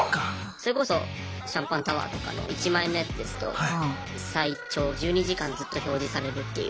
それこそシャンパンタワーとかの１万円のやつですと最長１２時間ずっと表示されるっていう。